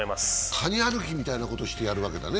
かに歩きみたいなことしてやるわけだね。